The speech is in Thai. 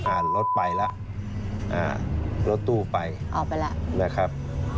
รถไปแล้วอ่ารถตู้ไปออกไปแล้วนะครับ